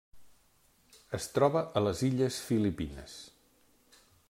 Es troba a les illes Filipines.